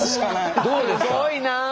すごいな。